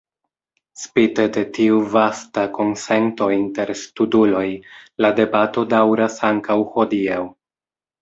Spite de tiu vasta konsento inter studuloj, la debato daŭras ankaŭ hodiaŭ.